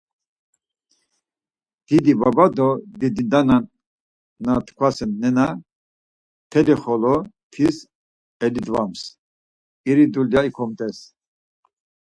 Didi baba do didi nana na tkvasen nena mtelikxolo tis eindvams, iri dulya ikomt̆es.